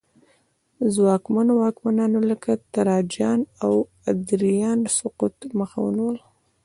ځواکمنو واکمنانو لکه تراجان او ادریان سقوط مخه ونیوله